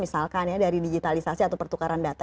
misalkan ya dari digitalisasi atau pertukaran data